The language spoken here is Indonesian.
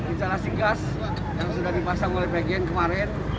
instalasi gas yang sudah dipasang oleh pgn kemarin